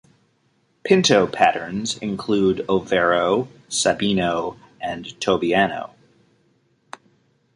Pinto patterns include overo, sabino and tobiano.